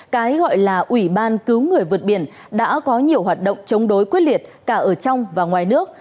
cái gọi là ủy ban cứu người vượt biển đã có nhiều hoạt động chống đối quyết liệt cả ở trong và ngoài nước